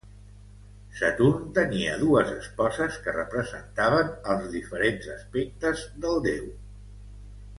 Saturn tenia dues esposes que representaven els diferents aspectes del déu.